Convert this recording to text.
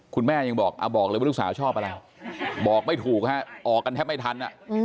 คุณแม่ยังบอกบอกเลยว่าลูกสาวชอบอะไรบอกไม่ถูกฮะออกกันแทบไม่ทัน